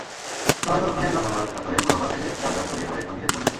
তবে ততক্ষণে বিমানবন্দর চত্বরের পূর্ব পাশ থেকে যানজট ছড়িয়ে পড়ে টঙ্গী সেতু পর্যন্ত।